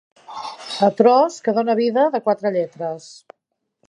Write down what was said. A Tros que dona vida, de quatre lletres.